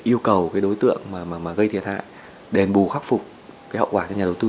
yêu cầu cái đối tượng mà gây thiệt hại đền bù khắc phục cái hậu quả cho nhà đầu tư